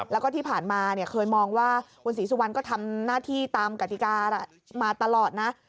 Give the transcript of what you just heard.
แล้วก็ที่ผ่านมาเคยมองว่าคุณศรีสุวรรณก็ทำหน้าที่ตามกติกามาตลอดนะ